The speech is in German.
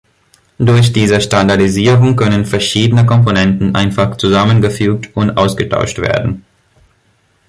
Durch diese Standardisierung können verschiedene Komponenten einfach zusammengefügt und ausgetauscht werden.